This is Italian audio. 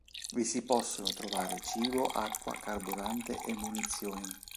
Vi si possono trovare cibo, acqua, carburante e munizioni.